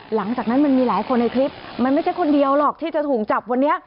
หลังจากนั้นมันมีหลายคนในคลิปมันไม่ใช่คนเดียวหรอกที่จะถูกจับวันนี้